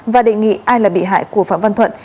và đề nghị ai là bị hại của phạm văn thuận